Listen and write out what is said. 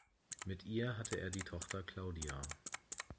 Mit ihr hatte er die Tochter Claudia.